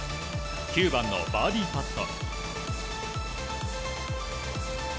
９番のバーディーパット。